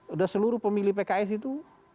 udah seluruh pemilih pks itu